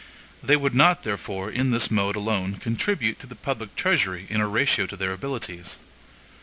They would not, therefore, in this mode alone contribute to the public treasury in a ratio to their abilities.